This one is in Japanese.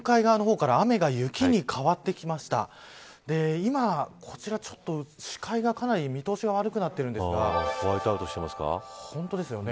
今、こちらちょっと視界がかなり見通しが悪くなってるんですが本当ですよね。